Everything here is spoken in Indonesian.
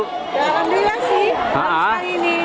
dalam dia sih baru kali ini